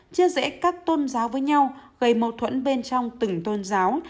chia rẽ các tôn giáo với nhau gây mâu thuẫn bên trong từng tôn giáo